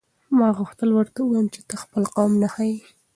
ما غوښتل ورته ووایم چې ته د خپل قوم نښه یې.